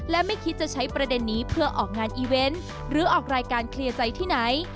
และไม่คิดจะใช้ประเด็นนี้เพื่อออกงานอีเวนต์หรือออกรายการเคลียร์ใจที่ไหน